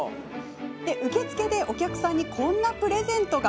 受付では、お客さんにこんなプレゼントが。